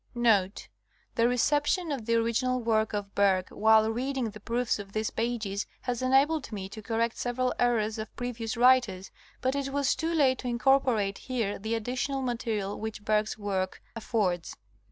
Review of Berings First Expedition, 1725 30. 167 Note—The reception of the original work of Bergh while reading the proofs of these pages has enabled me to correct several errors of previous writers, but it was too late to incorporate here the additional material which Bergh's work affords.